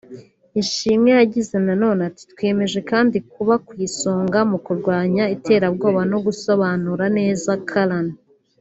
Ishimwe yagize na none ati “Twiyemeje kandi kuba ku isonga mu kurwanya iterabwoba no gusobanura neza Quran